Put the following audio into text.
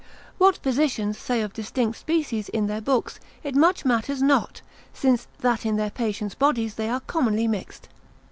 What physicians say of distinct species in their books it much matters not, since that in their patients' bodies they are commonly mixed.